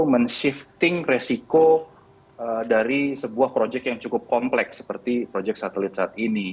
menshifting resiko dari sebuah projek yang cukup kompleks seperti projek satelit saat ini